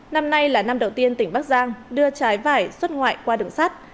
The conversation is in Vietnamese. năm nay là năm đầu tiên tỉnh bắc giang đưa trái vải xuất ngoại qua đường sắt